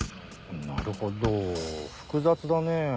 なるほど複雑だねぇ。